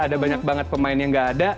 ada banyak banget pemain yang gak ada